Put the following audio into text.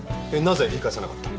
なぜ言い返さなかった？